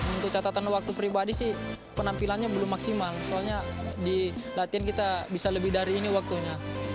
untuk catatan waktu pribadi sih penampilannya belum maksimal soalnya di latihan kita bisa lebih dari ini waktunya